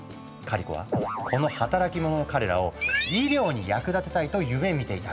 カリコはこの働き者の彼らを医療に役立てたいと夢みていたんだとか。